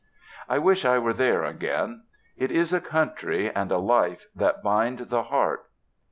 I wish I were there again. It is a country, and a life, that bind the heart.